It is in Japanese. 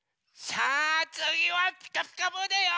さあつぎは「ピカピカブ！」だよ！